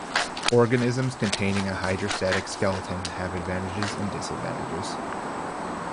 Organisms containing a hydrostatic skeleton have advantages and disadvantages.